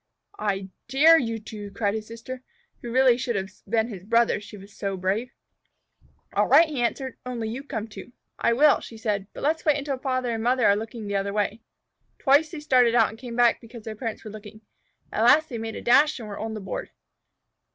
"I dare you to!" cried his sister, who really should have been his brother, she was so brave. "All right," he answered. "Only you come too." "I will," she said. "But let's wait until Father and Mother are looking the other way." Twice they started out and came back because their parents were looking. At last they made a dash and were by the board.